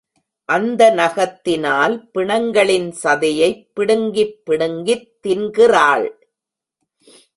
அந்த நகத்தினால் பிணங்களின் சதையைப் பிடுங்கிப் பிடுங்கித் தின்கிறாள்.